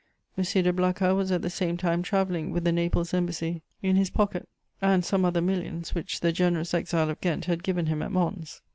M. de Blacas was at the same time travelling with the Naples Embassy in his pocket, and some other millions which the generous exile of Ghent had given him at Mons.